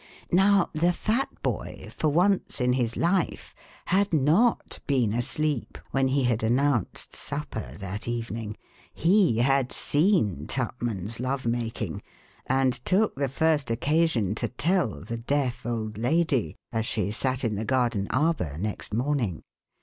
Now the fat boy, for once in his life, had not been asleep when he had announced supper that evening. He had seen Tupman's love making, and took the first occasion to tell the deaf old lady, as she sat in the garden arbor next morning.